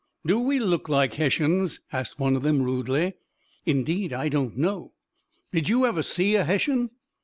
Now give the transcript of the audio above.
"Do we look like Hessians?" asked one of them rudely. "Indeed, I don't know." "Did you ever see a Hessian?"